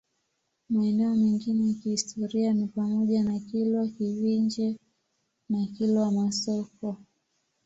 Maeneo mengine ya kihistoria ni pamoja na Kilwa Kivinje na Kilwa Masoko